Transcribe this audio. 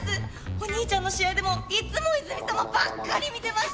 お兄ちゃんの試合でもいつも泉さまばっかり見てました！